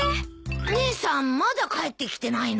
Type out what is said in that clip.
姉さんまだ帰ってきてないの？